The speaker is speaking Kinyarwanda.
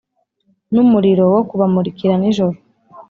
n’umuriro wo kubamurikira nijoro.